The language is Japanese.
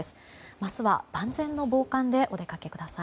明日は万全の防寒でお出かけください。